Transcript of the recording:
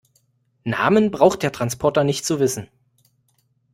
Namen braucht der Transporter nicht zu wissen.